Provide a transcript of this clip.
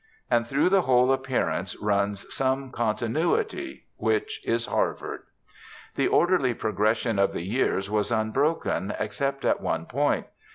And through the whole appearance runs some continuity, which is Harvard. The orderly progression of the years was unbroken, except at one point.